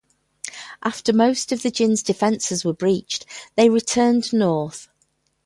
After most of the Jin's defences were breached, they returned north.